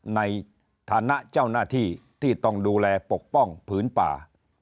ในฐานะเจ้าหน้าที่ที่ต้องดูแลปกป้องผืนป่า